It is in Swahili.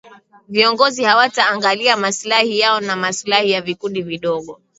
viongozi hawata angalia maslahi yao na maslahi ya vikundi vidogo